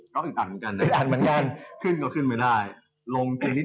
ก็อึดหักเหมือนกัน